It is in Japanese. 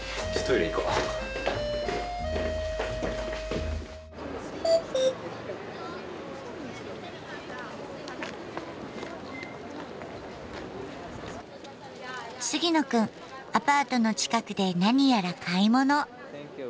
杉野くんアパートの近くで何やら買い物。